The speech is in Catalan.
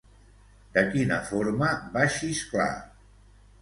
De quina forma va xisclar?